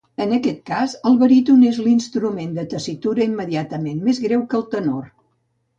En aquest cas el baríton és l'instrument de tessitura immediatament més greu que el tenor.